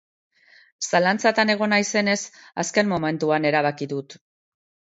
Zalantzatan egon naizenez, azken momentuan erabaki dut.